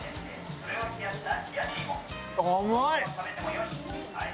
甘い！